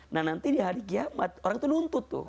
nah nanti di hari kiamat orang itu nuntut tuh